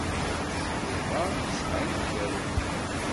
Iḍ-a nesεa inebgawen.